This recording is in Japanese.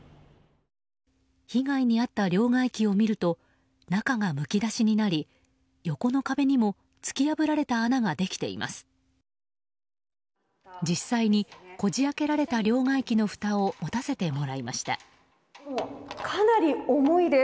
被害に遭った両替機を見ると中がむき出しになり横の壁にも突き破られた穴ができています。